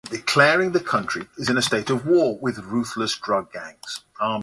The collapse of the economy continued.